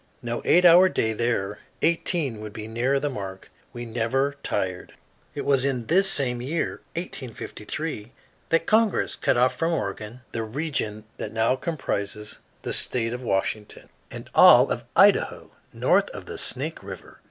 No eight hour day there eighteen would be nearer the mark; we never tired. It was in this same year, 1853, that Congress cut off from Oregon the region that now comprises the state of Washington and all of Idaho north of the Snake River.